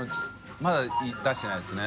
泙出してないですね。